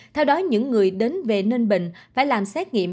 theo đó những người đến về ninh bình phải làm xét nghiệm